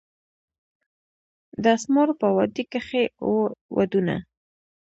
د اسمارو په وادي کښي وو ودونه